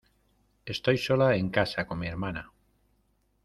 Estoy sola en casa con mi hermana.